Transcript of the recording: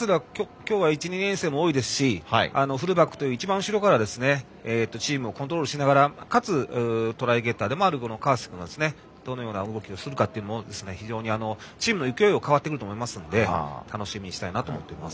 きょうは、１２年生も多いですし、フルバックという一番後ろからチームをコントロールしながらかつ、トライゲッターでもある河瀬君がどのような動きをするかというのは非常にチームの勢いが変わってくると思いますので楽しみにしたいなと思っています。